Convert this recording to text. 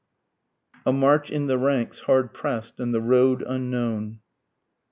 A MARCH IN THE RANKS HARD PREST, AND THE ROAD UNKNOWN.